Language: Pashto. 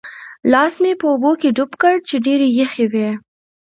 لاس مې په اوبو کې ډوب کړ چې ډېرې یخې وې.